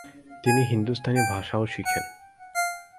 তিনি হিন্দুস্তানি ভাষাও শিখেন।